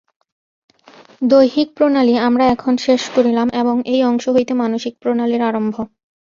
দৈহিক প্রণালী আমরা এখন শেষ করিলাম এবং এই অংশ হইতে মানসিক প্রণালীর আরম্ভ।